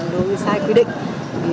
đối với sai quy định